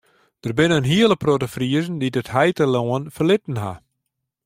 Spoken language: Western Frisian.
Der binne in hiele protte Friezen dy't it heitelân ferlitten ha.